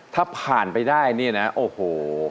ถ้าผ่านไปได้เนี่ยนะโอ้โห